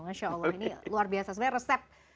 masya allah ini luar biasa sebenarnya resep